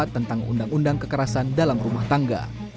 tentang undang undang kekerasan dalam rumah tangga